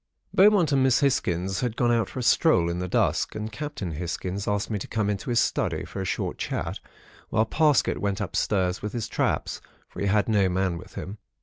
"Beaumont and Miss Hisgins had gone out for a stroll in the dusk, and Captain Hisgins asked me to come into his study for a short chat whilst Parsket went upstairs with his traps, for he had no man with him.